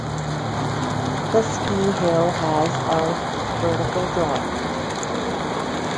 The ski hill has of vertical drop.